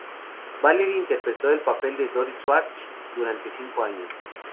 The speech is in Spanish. Valerie interpretó el papel de "Doris Schwartz" durante cinco años.